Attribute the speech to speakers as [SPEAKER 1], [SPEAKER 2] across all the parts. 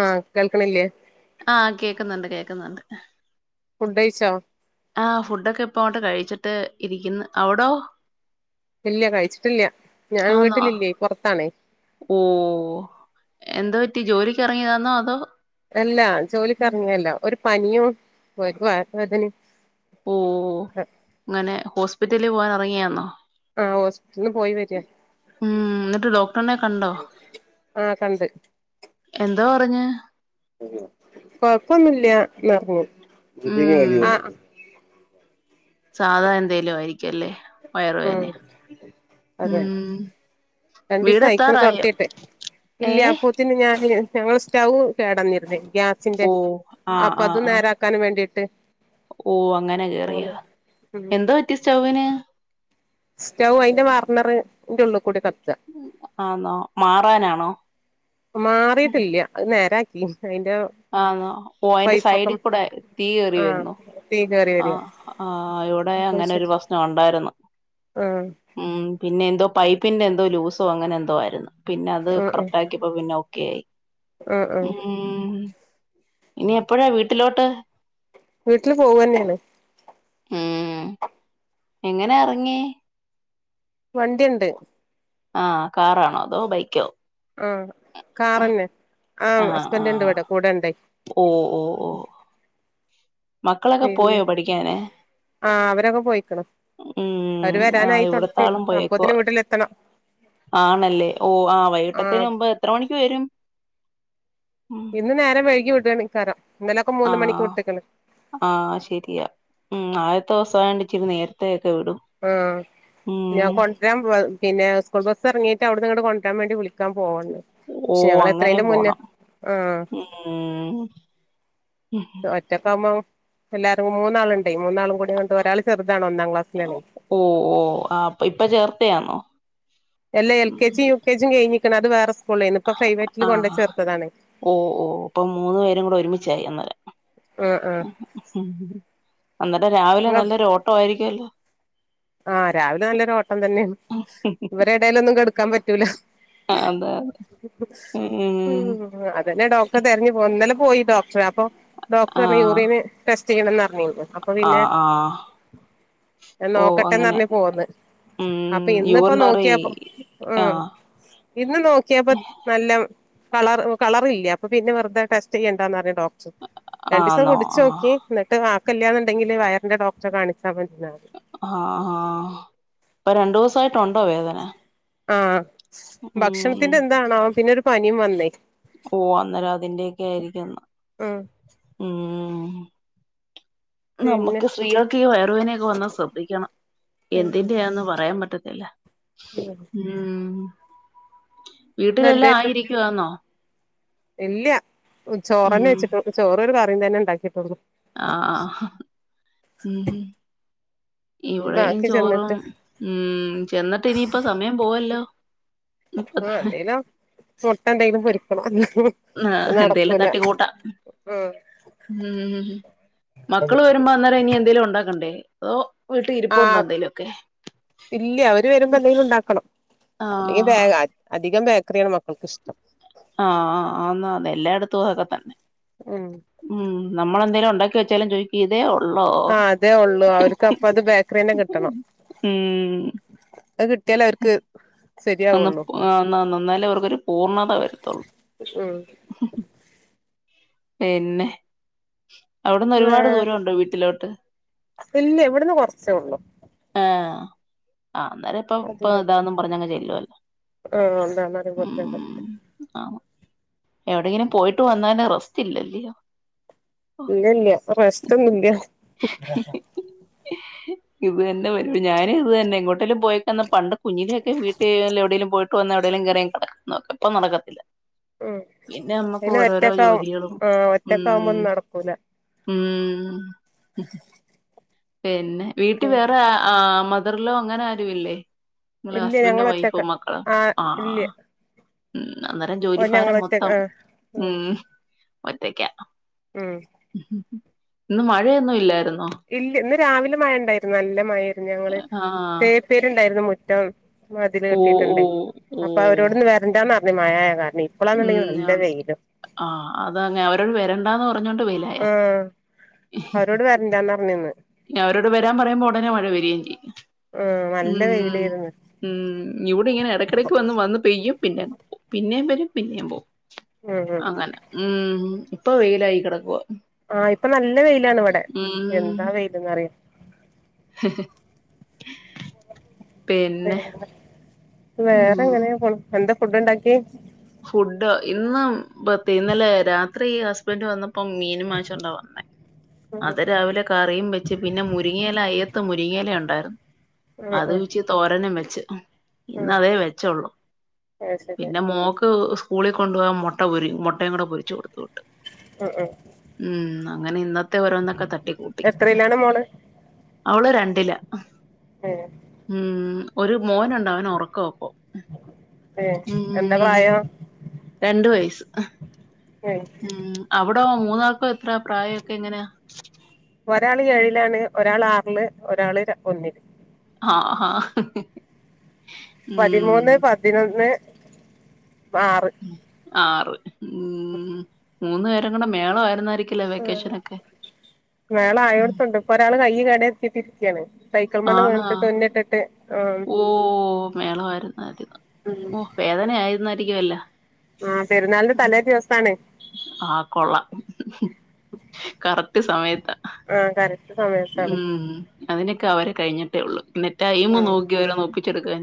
[SPEAKER 1] ആഹ് കേൾക്കണില്ലേ
[SPEAKER 2] ആഹ് കേക്കുന്നുണ്ട് കേക്കുന്നുണ്ട്
[SPEAKER 1] ഫുഡ്‌ കഴിച്ചോ?
[SPEAKER 2] ആഹ് ഫുഡൊക്കെ ഇപ്പൊ അങ്ങോട്ട് കഴിച്ചിട്ട് ഇരിക്കുന്നു അവിടോ
[SPEAKER 1] ഇല്ല കഴിച്ചിട്ടില്ല ഞാൻ
[SPEAKER 2] ആന്നോ
[SPEAKER 1] വീട്ടിലില്ലേ പുറത്താണേ
[SPEAKER 2] എന്താ പറ്റി ജോലിക്ക് ഇറങ്ങിയതാന്നോ അതോ
[SPEAKER 1] അല്ല ജോലിക്കിറങ്ങിയല്ല ഒരു പനിയോ ഒരു വയറ് വേദനയും അതിന്
[SPEAKER 2] ഓ അങ്ങനെ ഹോസ്പിറ്റലിൽ പോവാനറങ്ങിയാന്നോ
[SPEAKER 1] ആഹ് ഹോസ്പിറ്റലിൽ പോയി വരിക
[SPEAKER 2] ഉം എന്നിട്ട് ഡോക്ടറിനെ കണ്ടോ
[SPEAKER 1] ആഹ് കണ്ട്
[SPEAKER 2] എന്താ പറഞ്ഞ്
[SPEAKER 1] കൊഴപ്പൊന്നുല്ല
[SPEAKER 2] ഉം
[SPEAKER 1] ങ്ങ അ [inaudible]
[SPEAKER 2] സാധാ എന്തേലും ആയിരിക്കും അല്ലെ
[SPEAKER 1] ഉം അതെ
[SPEAKER 2] ഉം
[SPEAKER 1] രണ്ടീസം അയിക്കള്
[SPEAKER 2] വീടെത്താറായോ
[SPEAKER 1] തൊട്ത്തീട്ട് ഇല്ല്യ
[SPEAKER 2] ഏഹ്
[SPEAKER 1] അപ്പോത്തിനും ഞാന് ഞങ്ങള സ്റ്റൗവ് കേടന്നിരുന്നേ ഗ്യാസിന്റെ
[SPEAKER 2] ഓഹ്
[SPEAKER 1] അപ്പൊ അതു നേരാക്കാൻ വേണ്ടിട്ട് ട്ട്
[SPEAKER 2] ഓ അങ്ങനെ കേറിയ എന്താ പറ്റി സ്റ്റൗവിന്
[SPEAKER 1] സ്റ്റൗവ് അയിന്റെ വർണറ് ഇൻ്റെ ഉള്ളി കൂടെ കത്
[SPEAKER 2] ആന്നോ മാറാനാണോ
[SPEAKER 1] മാറിയിട്ടില്ല്യ അത് നെ നേരാക്കി അതിന്റെ
[SPEAKER 2] ആന്നോ ഓ അയിന്റെ
[SPEAKER 1] പൈപ്പൊക്കെ
[SPEAKER 2] സൈഡി കൂടെ തീ കേറി
[SPEAKER 1] ആഹ്
[SPEAKER 2] വരുന്നോ
[SPEAKER 1] തീ കേറി വരിക
[SPEAKER 2] ആഹ് ആ ഇവിടെ
[SPEAKER 1] അപ്പൊ
[SPEAKER 2] അങ്ങനെ ഒരു
[SPEAKER 1] ശരി
[SPEAKER 2] പ്രശ്നം ഒണ്ടായിരുന്നു
[SPEAKER 1] ആഹ്
[SPEAKER 2] ഉം പിന്നെ എന്തോ പൈപ്പിന്റെ എന്തോ ലൂസോ അങ്ങനെ എന്തോ ആയ്ര്ന്ന് പിന്നെ അത്
[SPEAKER 1] ആഹ് ആഹ്
[SPEAKER 2] കറക്റ്റ് ആക്കിയപ്പം പിന്നെ ഓക്കെ ആയി
[SPEAKER 1] ആഹ് ആഹ്
[SPEAKER 2] ഉം ഇനി എപ്പഴാ വീട്ടിലോട്ട്
[SPEAKER 1] വീട്ടില് പോവന്നെയാണ്
[SPEAKER 2] ഉം എങ്ങനെ എറങ്ങി
[SPEAKER 1] വണ്ടിയുണ്ട്
[SPEAKER 2] ആഹ് കാറാണോ അതോ ബൈക്കോ
[SPEAKER 1] ആഹ് കാറന്നെ
[SPEAKER 2] ആ
[SPEAKER 1] ആഹ്
[SPEAKER 2] ആ
[SPEAKER 1] ഹസ്ബൻ്റ് ഇണ്ട് ഇവിടെ കൂടെ ഇണ്ടേ
[SPEAKER 2] ഓ മക്കളെക്കെ പോയോ പഠിക്കാന്
[SPEAKER 1] ആഹ് അവരൊക്കെ പോയിക്കണ് അവര്
[SPEAKER 2] ഉം ആ
[SPEAKER 1] വരാനായി തൊടത്തി
[SPEAKER 2] ഇവിടത്താളും പോയേക്കുവ
[SPEAKER 1] അപ്പോത്തിന് വീട്ടിലെത്തണം
[SPEAKER 2] ആണല്ലേ ഓ ആ വൈകിട്ടത്തേന്
[SPEAKER 1] ആഹ്
[SPEAKER 2] മുമ്പ് എത്ര മണിക്ക് വരും
[SPEAKER 1] ഇന്ന് നേരം വൈകി വിടണിക്കാരം
[SPEAKER 2] ആഹ് ആഹ് ആ ശെരിയാ ഉം ആദ്യത്തോ സം [unintelligible] [unintelligible] ഇച്ചിരി നേരത്തെ
[SPEAKER 1] ആഹ് ഞാൻ കൊണ്ട് രാൻപോവ പിന്നെ സ്കൂൾ ബസ് എറങ്ങയിട്ട് അവിട്ന്ന് ഇങ്ങട് കൊണ്ടെരുവാൻ വേണ്ടി വിളിക്കാൻ പോവണ്ട്
[SPEAKER 2] ഓ
[SPEAKER 1] പക്ഷെ ഞങ്ങൾ
[SPEAKER 2] അങ്ങനെം
[SPEAKER 1] എത്രേന്റെ മുന്നേ
[SPEAKER 2] പോണം
[SPEAKER 1] ആഹ്
[SPEAKER 2] ഉം
[SPEAKER 1] ഒറ്റക്കാവ്മം എല്ലാരും മൂന്നാള് ഉ ക്ലാസ്സിലാണേ
[SPEAKER 2] ഓ ഓ ആപ് ഇപ്പ ചേർത്തയാന്നോ
[SPEAKER 1] എല്ലാ എൽ
[SPEAKER 2] ഉം
[SPEAKER 1] കെ ജി യു കെ ജിയും കയ്ഞ്ഞ് ക്ക്ണ് അത് വേറെ സ്
[SPEAKER 2] ആഹ് ഓ ഓ ഇപ്പം മൂന്ന് പേരും കൂടെ ഒരുമിച്ചായി അന്നരം
[SPEAKER 1] ആഹ് ആഹ്
[SPEAKER 2] അന്നിട്ട് രാവിലെ
[SPEAKER 1] ഇങ്ങ
[SPEAKER 2] നല്ലൊരു ഓട്ടം ആയിരിക്കുവല്ലോ
[SPEAKER 1] ആഹ് രാവിലെ നല്ലൊരു ഓട്ടം തന്നേണ് ഇവരെടേൽ ഒന്നും കെടുക്കാൻ പറ്റ് റ്റൂല
[SPEAKER 2] അതെ ഉം
[SPEAKER 1] അതന്നെ ഡോക്ടറെ തെരഞ്ഞ് [unintelligible] പോയിതോ? ട്ര് അപ്പൊ ഡോക്ടറിഞ്ഞ്
[SPEAKER 2] ആഹ്
[SPEAKER 1] യൂറീന് ടെസ് ചെയ്യണം ന്ന [unintelligible] അപ്പ പിന്നെ
[SPEAKER 2] ആഹ് ആഹ്
[SPEAKER 1] ഞാൻ
[SPEAKER 2] ഓ
[SPEAKER 1] നോക്ക ട്ടെ ന്ന്
[SPEAKER 2] അങ്ങനെ
[SPEAKER 1] പറഞ്ഞ് പോന്ന്
[SPEAKER 2] ഉം
[SPEAKER 1] അപ്പൊ ഇന്ന്പ്പോ
[SPEAKER 2] യൂറിനറി
[SPEAKER 1] നോക്കിയപ്പോ ഉം
[SPEAKER 2] ആഹ്
[SPEAKER 1] ഇന്ന് നോക്കിയപ്പം നല്ലം കളർ കളർ ഇല്ല്യ അപ്പൊ പിന്നെ വെറുതെ ടെസ്റ്റ് ചെയ്യേണ്ടാന്നാറഞ്ഞു ഡോ രണ്ടീസം
[SPEAKER 2] ആന്നോ
[SPEAKER 1] കുടിച്ചു
[SPEAKER 2] ആഹ്
[SPEAKER 1] നോക്കി ന്നട്ട് [unintelligible] സുഖ ല്ല്യാന്നുണ്ടെങ്കില് വയറിന്റെ ഡോക്ടറെ കാണി
[SPEAKER 2] ആ ആ ഇപ്പൊ രണ്ടു ഊസായി
[SPEAKER 1] ആ
[SPEAKER 2] ഉം
[SPEAKER 1] ഭക്ഷണത്തിന്റെ എന്താണാവോ പിന്നെ ഒരു പനിം വന്നെയ്
[SPEAKER 2] ഓ അന്നേരം അതിന്റെ യെക്കെ ആയിരിക്കും എന്നാ
[SPEAKER 1] ഉം
[SPEAKER 2] ഉം ഉം
[SPEAKER 1] പിന്നെ
[SPEAKER 2] നമുക്ക് സ്ത്രീകൾക്ക് ഈ വയറു വേദനെക്കെ വന്നാ ശ്രദ്ധിക്കണം
[SPEAKER 1] ഉം
[SPEAKER 2] എന്തിന്റെയാന്ന് പറയാൻ പറ്റ ഇല്ല ഉം വീട്ടിലെല്ലാം ആയിരിക്കുവാന്നോ
[SPEAKER 1] ഇല്ല്യ ചോറെന്നെ വെച്ചിട്ടൊ ചോറ് ഒരു ക റിം തന്നേ ഉണ്ടാക്കിയിട്ടുള്ളു.
[SPEAKER 2] ആ ആ ഉം ഉം
[SPEAKER 1] ഇനി
[SPEAKER 2] ഇവിടെയും
[SPEAKER 1] ബാക്കി
[SPEAKER 2] ചോറും
[SPEAKER 1] ചെന്നിട്ട്
[SPEAKER 2] ഉം ചെന്നിട്ട് ഇനിയിപ്പം സമയം പോവല്ലോ ഇപ്പ [unintelligible]
[SPEAKER 1] മൊട്ട എന്തെങ്കിലും പൊരിക്കണം [unintelligible]
[SPEAKER 2] ആ എന്തേലും
[SPEAKER 1] നടക്കൂല
[SPEAKER 2] തട്ടിക്കൂട്ട
[SPEAKER 1] ആഹ്
[SPEAKER 2] ഉം മക്കള് വരുമ്പോ അന്നേരം ഇനി എന്തേലും ഉണ്ടാക്കണ്ടേ. അതോ വീട്ടിൽ
[SPEAKER 1] ആ
[SPEAKER 2] ഇരിപ്പുണ്ടോ എന്തേലുമൊക്കെ
[SPEAKER 1] ഇല്ല അവര് വരുമ്പോ എന്തെങ്കും ഉണ്ടാക്കണം അല്ലെങ്കിൽ ബേ
[SPEAKER 2] ആഹ്
[SPEAKER 1] അധികം ബേ ക്കറിയാണ് മക്കൾക്ക് ഇഷ്ടം.
[SPEAKER 2] ആ അന്നാ അതെ എല്ലായിടത്തും അതക്കെ തന്നെ
[SPEAKER 1] ഉം
[SPEAKER 2] ഉം നമ്മ നമ്മളെന്തങ്കിലും ഉണ്ടാക്ക വെച്ചാലും ചോദിക്കും ഇതേ ഉ
[SPEAKER 1] ആ അതേ ഉള്ളൂ അവർക്ക് അപ്പ അത് ബേക്കറിന്നേ കിട്ടണം.
[SPEAKER 2] ഉം
[SPEAKER 1] അത് കി ട്ടിയാൽ അവർക്ക്
[SPEAKER 2] അന്ന ആ ന്ന ന്ന ന്നാലേ ഓർക്കൊരു പൂർണത വരത്തുള്ളൂ
[SPEAKER 1] ഉം
[SPEAKER 2] പിന്നെ അവ്ടുന്ന് ഒരുപാട്
[SPEAKER 1] ഏഹ്
[SPEAKER 2] ദൂരൊവുണ്ടൊ വീട്ടിലോട്ട്
[SPEAKER 1] ഇല്ല ഇവിടുന്ന് കൊറച്ചേ ഉള്ളൂ
[SPEAKER 2] ആഹ് ആഹ് അന്നേരം പ്പം പ്പ
[SPEAKER 1] അധികം
[SPEAKER 2] അതാന്നും പര് ഞ്ഞങ്ങ് ചെല്ലുവല്ലോ
[SPEAKER 1] ആഹ് ഉണ്ടാകാനും
[SPEAKER 2] ഉം
[SPEAKER 1] കുറച്ചുണ്ട്
[SPEAKER 2] ആ എവിടെങ്കിലും പോയിട്ട് വന്നെന്റെ റെസ്റ്റ് ഇല്ല ല്ലയോ
[SPEAKER 1] ഇല്ലല്ല പ്രശ്നൊന്നു ല്ല്യ
[SPEAKER 2] ഇത് തന്നെ വരു ഞാന് ഇത് തന്നെ എങ്ങോട്ടെലും പോയ്ക്കാന്ന പണ്ട് കുഞ്ഞിനെക്കെ വീട്ടീല് എവ്ടേലും പോയിട്ട് വന്നാ എവിടേലും കേറിയങ്ങ് കെടക്കു ന്ന് പ്പ നടക്കത്തില്ല
[SPEAKER 1] ഉം
[SPEAKER 2] പിന്നെ നമ്മുക്ക്
[SPEAKER 1] നെ
[SPEAKER 2] ഓരോരോ
[SPEAKER 1] ഒറ്റക്കാവും
[SPEAKER 2] ജോലികളും
[SPEAKER 1] ആ ഒറ്റക്കാ ആവുമ്പോ
[SPEAKER 2] ഉം
[SPEAKER 1] ന്നും നടക്കൂല
[SPEAKER 2] ഉം പിന്നെ വീട്ടി വേറെ ആ മ തർലോ അങ്ങന ആരു ഇല്ലേ നിങ്ങളെ
[SPEAKER 1] ഇല്ല്യ
[SPEAKER 2] ഹസ്ബൻഡും
[SPEAKER 1] ഞങ്ങള് ഒറ്റക്കാ
[SPEAKER 2] വൈഫും മക്കളും
[SPEAKER 1] ആ ഇല്ല്യ
[SPEAKER 2] ഉം ന്ന അന്നെരം
[SPEAKER 1] ഓ
[SPEAKER 2] ജോലിഫാരം
[SPEAKER 1] ഞങ്ങളൊറ്റ
[SPEAKER 2] മൊത്തം ഉം ഒറ്റയ്ക്കാ
[SPEAKER 1] ഉം
[SPEAKER 2] ഹഹ ന്ന് മഴയൊന്നു ല്ലായിര്ന്ന്
[SPEAKER 1] ഇല്ല ന്ന് രാവിലെ മഴ ണ്ടായിര്ന്നു നല്ല മഴെരുന്നു ഞങ്ങള്
[SPEAKER 2] ആ
[SPEAKER 1] തേപ്പെര്ണ്ടായിരുന്നു മു റ്റം മതില്
[SPEAKER 2] ഓ ഓ
[SPEAKER 1] കെട്ടീട്ട്ണ്ടേ
[SPEAKER 2] ഓ
[SPEAKER 1] അപ്പൊ അവരോട്ന്ന് വെര്ണ്ടാന്ന ന്ന് മഴ ആത
[SPEAKER 2] ഉം ആം ആ അതർഞ്ഞെ അവരോട് വെര വേണ്ടാന്ന് പറഞ്ഞു
[SPEAKER 1] ആ അവരോട് വരണ്ടാന്ന് പറഞ്ഞീന്ന്
[SPEAKER 2] ഇനീ അവരോട് വരാം പറയുമ്പോ ഉടനെ മഴ വരേം ചെയ്യും.
[SPEAKER 1] ആ നല്ല
[SPEAKER 2] ഉം ഉം
[SPEAKER 1] വെയിലായിരുന്നു
[SPEAKER 2] ഉം. ഇവിടെ ഇങ്ങനെ എടക്കെടക്ക് വന്ന് പെയ്യു പിന്നെ പിന്നേ വരും പിന്നേം പോവും
[SPEAKER 1] ഉം ഉം
[SPEAKER 2] അങ്ങന ഉം പ്പൊ വെയ്ലായ്ക്ക്ണ് പ്പൊ
[SPEAKER 1] ആഇപ്പൊ നല്ല വെയിലാണ് ഇവിടെ.
[SPEAKER 2] ഉം
[SPEAKER 1] എന്താ വെയില്ന്നറിയൊ
[SPEAKER 2] ഹ് ഹ് പിന്നെഹ്
[SPEAKER 1] വേറെ എങ്ങനെയ പോണ് എന്താ ഫുഡ് ണ്ടാക്കി [inaudible]
[SPEAKER 2] ഫുഡ് ഇന്നും [unintelligible] ഇന്നലെ രാത്രി ഹസ്ബൻഡ് വന്ന പ്പം മീനും വാങിചോണ്ട വന്നേ...
[SPEAKER 1] ഉം
[SPEAKER 2] അത് രാവിലെ കറിയും വെച്ച്, പിന്നെ മുരിങ്ങയില അയ്യ [unintelligible] മുരിങ്ങയില ഉണ്ടായിരുന്നു.
[SPEAKER 1] ഉം ഉം
[SPEAKER 2] അത് പിച്ചി
[SPEAKER 1] ഉം
[SPEAKER 2] തോരനും വെച്ച് [inaudible] ഇന്ന്
[SPEAKER 1] ഉം
[SPEAKER 2] അതേ വെച്ചോള്ളു.
[SPEAKER 1] അത് ശരി
[SPEAKER 2] പിന്നെ മോൾക്ക് ഉ സ്കൂളി കൊണ്ടുപോവാൻ മൊട്ട പൊരി മൊട്ടേം കൂടെ പൊരിച്ചു കൊടുത്തൂ
[SPEAKER 1] ആ ആ
[SPEAKER 2] അങ്ങനെ ഇന്ന ത്ത് ഓരോന്നൊക്കെ തട്ടിക്കൂട്ടി
[SPEAKER 1] എത്രയിലാണ് മോള്
[SPEAKER 2] അവള് രണ്ടിലാ..
[SPEAKER 1] [unintelligible]
[SPEAKER 2] ഒരു മോന കൊണ്ട്, അവനൊറക്കവാ ഇപ്പൊ
[SPEAKER 1] ഏ എന്താ
[SPEAKER 2] ഉം
[SPEAKER 1] പ്രായം?
[SPEAKER 2] രണ്ട് വയസ്സ്. ആ
[SPEAKER 1] ഏ
[SPEAKER 2] ഉം അവിടോം മൂന്നാൾക്കുഎത്ര പ്രായൊക്കെ എങ്ങനെയാണ്?
[SPEAKER 1] ഒരാള് ഏഴിലാണ്. ഒരാളാറില്, ഒരാള് ര ഒന്നില്.
[SPEAKER 2] ആഹ് ഹ
[SPEAKER 1] പതിമൂന്ന്, പതിനൊന്ന് ആറ്
[SPEAKER 2] ആറ് ഉം മൂന്ന് പേരും കൂടെ മേളം ആയിരുന്നാരി
[SPEAKER 1] ആ മേള ആയൊടത്തൊണ്ട് ഇപ്പൊ ഒരാള് കയ്യില് എടുത്തിട്ട് [unintelligible]
[SPEAKER 2] ആണാ ഓ മേളം ആയിര്ന്ന് ആര്ന്നു ഓ വേദനയായിരുന്നാ [unintelligible]
[SPEAKER 1] ആ പെരുന്നാളിന്റെ തലേ ദിവസാണ്
[SPEAKER 2] ആ കൊള്ളാം റ്റ് സമയത്താ
[SPEAKER 1] ആ കര
[SPEAKER 2] ഉം അതിനൊക്കെ അവരെ കഴിഞ്ഞിട്ടേ ഉള്ളൂ എന്നി ടൈം നോക്കിയവരങ്ങു ഒപ്പിച്ചു എടുക്കാൻ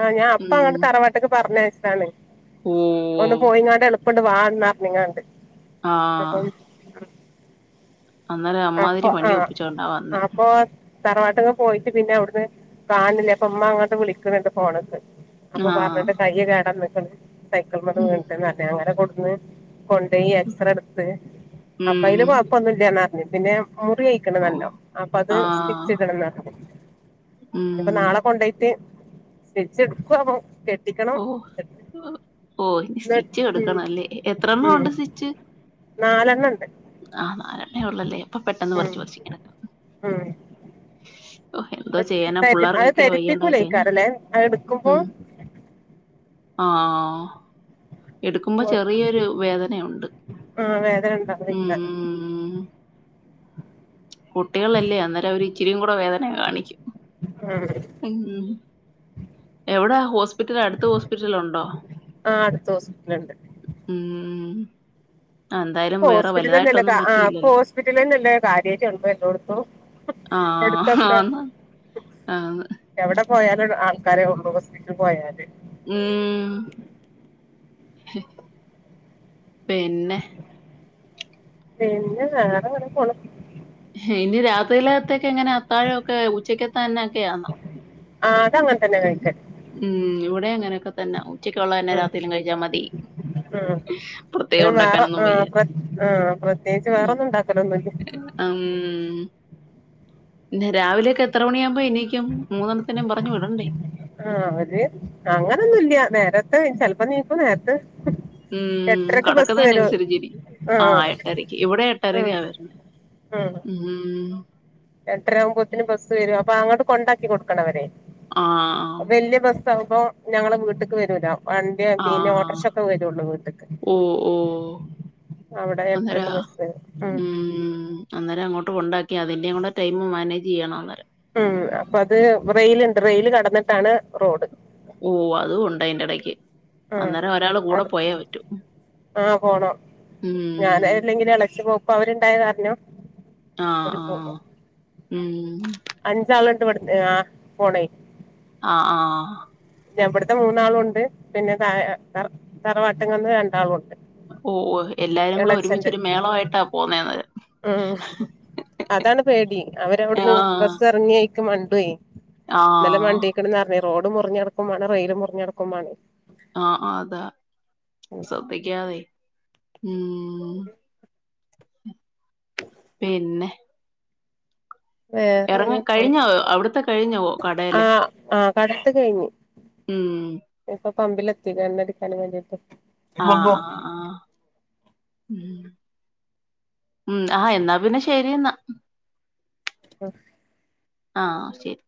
[SPEAKER 1] ആഹ് ഞാൻ അപ്പ അങ്ങോട്ട് തറവാട്ട്ക്ക് പറഞ്ഞയച്ചതാണ്
[SPEAKER 2] ഓ
[SPEAKER 1] ഒന്ന് പോയി ഇങ്ങട്ട് എളു കൊണ്ട് വാ എന്നും പറഞ്ഞും കൊണ്ട്
[SPEAKER 2] ആഹ് അന്നല് അമ്മാതിരി
[SPEAKER 1] അപ്പൊ
[SPEAKER 2] പണിയ ഒപ്പിച്ചോണ്ടാ വന്നേ
[SPEAKER 1] തറവാട്ടക്കെ പോയിട്ട് പിന്നെ അവിടുന്ന് കാണില്ല അപ്പൊ അമ്മ അങ്ങോട്ട് വിളിക്കുന്നുണ്ട് ഫോണെടുത്തു അപ്പൊ
[SPEAKER 2] ആഹ്
[SPEAKER 1] പറഞ്ഞിട്ട് കയ്യ് കേടന്ന് [unintelligible] സൈക്കിൾ മേന്ന്
[SPEAKER 2] ഉം
[SPEAKER 1] വീണതാന്നു പറഞ്ഞു ഞാൻ അങ്ങനെ കൊടു [unintelligible] കൊണ്ട് പോയി എക്സറേ എടുത്ത് അപ്പ അതില്
[SPEAKER 2] ഉം.
[SPEAKER 1] കുഴപ്പമൊന്നുമില്ലന്നാ പറ പിന്നെ മുറി
[SPEAKER 2] ഓ
[SPEAKER 1] അഴിക്കണമല്ലോ അപ്പൊ അത്
[SPEAKER 2] ആഹ്
[SPEAKER 1] സ്റ്റിച്ച് ഇടണം എന്ന് അപ്പൊ അപ്പൊ
[SPEAKER 2] ഉം
[SPEAKER 1] നാളെ കൊണ്ട് പോയിട്ട് സ്റ്റിച്ചു എടുക്കുവാ [unintelligible]
[SPEAKER 2] ഓ ഓ ഇനി
[SPEAKER 1] ന്ന്
[SPEAKER 2] സ്റ്റിച്ച്
[SPEAKER 1] ഉം
[SPEAKER 2] എടുക്കണം അല്ലേ എത്രണ്ണം
[SPEAKER 1] ഉം
[SPEAKER 2] ഉണ്ട് സ്റ്റിച്ച്
[SPEAKER 1] നാലെണ്ണണ്ട്
[SPEAKER 2] ആ അങ്ങനെയുള്ളല്ലേ അപ്പൊ പെട്ടെന്ന്
[SPEAKER 1] ഉം
[SPEAKER 2] പറിച്ച് പറിച്ചു ഇങ്ങ് എടുക്കും
[SPEAKER 1] അത് അത് ധരിപ്പികൂല്ല ഈ
[SPEAKER 2] കഴിഞ്ഞ
[SPEAKER 1] കടലെ അത് എടുക്കുമ്പോ
[SPEAKER 2] ആഹ് എടുക്കുമ്പോ ചെറിയൊരു വേദനയുണ്ട്
[SPEAKER 1] ആ, വേദന ഉണ്ടാവും
[SPEAKER 2] ഉം
[SPEAKER 1] ഇക്കാരം
[SPEAKER 2] കുട്ടികളല്ലേ അന്നേരം അവര് ഇച്ചിരി കൂടെ വേദന കാണിക്കു ഉം എവിടാ ഹോസ്പിറ്റൽ അടുത്ത ഹോസ്പിറ്റല ഉണ്ടോ
[SPEAKER 1] ആ അടുത്ത ഹോസ്പിറ്റലുണ്ട്
[SPEAKER 2] ഉം ആ, എന്തായാലും വേറെ
[SPEAKER 1] ഹോസ്പിറ്റല തന്നെല്ല
[SPEAKER 2] വലുതായിട്ടൊന്നും
[SPEAKER 1] ആ ഇപ്പൊ
[SPEAKER 2] പറ്റിയില്ലല്ലോ
[SPEAKER 1] ഹോസ്പിറ്റല തന്നല്ല കാര്യമായിക്ക ഉണ്ടോ എല്ലോടത്തും
[SPEAKER 2] ആ
[SPEAKER 1] എടുത്തൊക്കെ
[SPEAKER 2] ആന്ന് ആന്ന്
[SPEAKER 1] എവിടെ പോയാല [unintelligible] ഹോസ്പിറ്റൽ പോയല്
[SPEAKER 2] ഉം പിന്നെ
[SPEAKER 1] പിന്നെ [unintelligible] പോണ
[SPEAKER 2] ഇനി രാത്രിയിലകത്ത എങ്ങനെ അത്താഴൊക്കെ ഉച്ചക്ക്ക്ക തന്നൊക്കെയാന്നോ
[SPEAKER 1] ആ അതങ്ങനെ തന്നെ കഴിച്ചെ
[SPEAKER 2] അങ്ങനൊക്കെന്നെ ഉച്ചക്കള്ള തന്നെ രാത്ും കഴിച്ചാ മതി
[SPEAKER 1] ഉം.
[SPEAKER 2] പ്രത്യേകം
[SPEAKER 1] പിന്നെ വേറെ
[SPEAKER 2] ഉണ്ടാക്കാനൊന്നും
[SPEAKER 1] ആ,
[SPEAKER 2] വയ്യ
[SPEAKER 1] പ്ര- ആ, പ്രത്യേകിച്ച് വേറെ ഒന്നും ഉണ്ടാക്കലൊന്നുമില്ല
[SPEAKER 2] ഉ പിന്ന രാവിലെയൊക്കെ എത്ര മണിയാവുമ്പോൾ
[SPEAKER 1] ആ അവര് അങ്ങനൊന്നുംല്ല നേരത്തെ ചിലപ്പോ നീ പ്പം നേരത്തെ
[SPEAKER 2] ഉം
[SPEAKER 1] എട്ടരക്ക് ബസ്സ്
[SPEAKER 2] കടക്കുന്നന്ന
[SPEAKER 1] വരും
[SPEAKER 2] അനുസരിച്ചിരിക്കും ആ
[SPEAKER 1] ആഹ്
[SPEAKER 2] എട്ടരയ്ക്ക് ഇവിടെ എട്ടരക്ക
[SPEAKER 1] ഉം
[SPEAKER 2] ആ വരണ ഉ
[SPEAKER 1] എത്രയാകുമ്പോത്തിനന് ബസ് വരവാ അപ്പൊ അങ്ങോട്ട് കൊണ്ടാക്കി കൊടുക്കണവരെ
[SPEAKER 2] ആ ആ
[SPEAKER 1] സംഭം ഞങ്ങങ്ങള് വീട്ട്ക്ക് വരൂല വണ്ടിയ പിന്നെ
[SPEAKER 2] ആഹ്
[SPEAKER 1] ഓട്രഷക്കെ വരുള്ളു വീട്ടക്ക്
[SPEAKER 2] ഓഹ് ഓഹ്
[SPEAKER 1] അവിടെ
[SPEAKER 2] അന്നേരാ
[SPEAKER 1] എട്രക്ക് ബസ് ഉ
[SPEAKER 2] പ്പ ഉണ്ടാക്കി അതി്റെയുംൂ ടൈം മാനജ് ചെയ്യണ പറം
[SPEAKER 1] ഉം അപ്പൊ അത് റെലുണ്ട് റെയില് കടന്നിട്ടാണ് റോഡ്
[SPEAKER 2] ഓഹ് അതും ഉണ്ട് അതിന്റെ ഇടയ്ക്ക്
[SPEAKER 1] ആ
[SPEAKER 2] അന്നേരം ഒരാള് കൂടെ
[SPEAKER 1] അത്
[SPEAKER 2] പോയേ പറ്റൂ
[SPEAKER 1] ആപോണോ
[SPEAKER 2] ഉം
[SPEAKER 1] ഞാൻ അല്ലെങ്കിലും ഇളച്ച പോ അപ്പൊ അവരുണ്ടായത് കാരണം
[SPEAKER 2] ആ ആ ഉം
[SPEAKER 1] അഞ്ചാള ഇണ്ട് പടു ആ് പോണേ
[SPEAKER 2] ആ ആ
[SPEAKER 1] ഞ ഇടുത്തെ മൂന്നാളുണ്ട് പിന്നെ ത തറവാട്ടിങ്ങന്ന് രണ്ടാളുണ്ട്
[SPEAKER 2] ഓ ഓ എല്ലാരും കൂടെ
[SPEAKER 1] എളച്ചന്റെ
[SPEAKER 2] ഒരുമിച്ചരു മേളമായിട്ടാ പോന്നേത്
[SPEAKER 1] ഉം
[SPEAKER 2] ഹ്
[SPEAKER 1] അതാണ്
[SPEAKER 2] ഹ്
[SPEAKER 1] മണ്ടോയ് ന്നലെ മണ്ടിക്കണ്ന്ന് റഞ് റോഡ് മുറിഞ് ക്കും മാണേ റെയിലും മുറിഞ്ഞടുക്ക്മ്മാണെ
[SPEAKER 2] ആഹ് ആഹ് അതാ ശ്രദ്ധിക്കാതെ ഉം പിന്നെ
[SPEAKER 1] വേറെ
[SPEAKER 2] ഇറങ്ങ
[SPEAKER 1] എങ്ങനെ പോണ്
[SPEAKER 2] കഴിഞ്ഞോ അവിട്ത്തെ കഴിഞ്ഞോ കടേലെ
[SPEAKER 1] കടേത്തെ കഴിഞ്ഞ്
[SPEAKER 2] ഉം
[SPEAKER 1] എപ്പം പമ്പിലെത്തി എണ്ണടിക്കാൻ വേണ്ടിട്ട്
[SPEAKER 2] ആ ആ ആ ഉം ആ എന്നാ പിന്നെ ശെരിന്ന
[SPEAKER 1] ഓ
[SPEAKER 2] ആ ശെരി